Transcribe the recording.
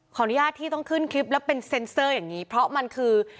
อนุญาตที่ต้องขึ้นคลิปแล้วเป็นเซ็นเซอร์อย่างนี้เพราะมันคือ